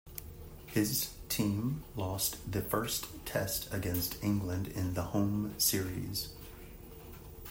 His team lost the first test against England in the home series.